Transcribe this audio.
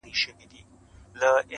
o ترکاڼي د بيزو کار نه دئ٫